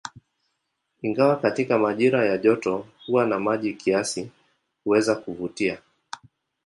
Ingawa katika majira ya joto huwa na maji kiasi, huweza kuvutia.